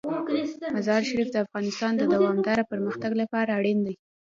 مزارشریف د افغانستان د دوامداره پرمختګ لپاره اړین دي.